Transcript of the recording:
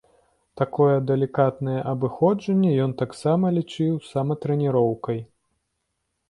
Такое далікатнае абыходжанне ён таксама лічыў саматрэніроўкай.